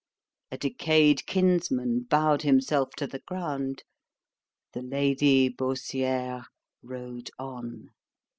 A decayed kinsman bowed himself to the ground. ——The Lady Baussiere rode on.